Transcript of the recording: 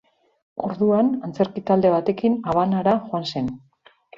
Orduan, antzerki-talde batekin Habanara joan zen.